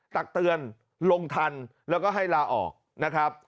ตักเตือนลงทันแล้วก็ให้ลาออกนะครับ